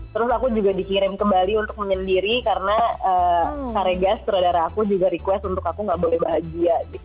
terus aku juga dikirim ke bali untuk menyendiri karena karegas saudara aku juga request untuk aku gak boleh bahagia